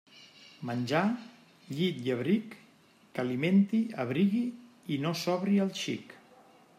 Menjar, llit i abric, que alimenti, abrigui i no sobri al xic.